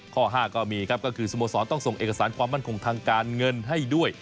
ข้อ๕ก็มีครับก็คือสโมสรต้องส่งเอกสารความมั่นคงทางการเงินให้ด้วย